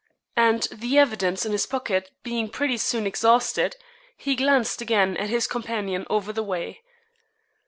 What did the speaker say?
And the evidence in his pocket being pretty soon exhausted, he glanced again at his companion over the way.